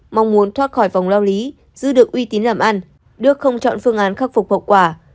mong muốn thoát khỏi vòng lao lý giữ được uy tín làm ăn đức không chọn phương án khắc phục hậu quả